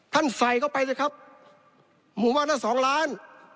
ใส่เข้าไปสิครับหมู่บ้านละสองล้าน